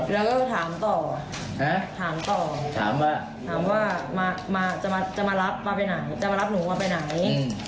แล้วก็ถามต่อถามต่อถามว่ามาจะมารับมาไปไหนจะมารับหนูเอาไปไหน